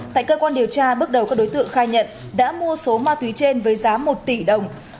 tại cơ quan điều tra bước đầu các đối tượng khai nhận đã mua số ma túy trên với giá một tỷ đồng